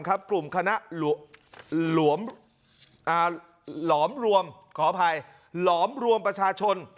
กลุ่มคณะหลอมรวมขออภัยหลอมรวมประชาชน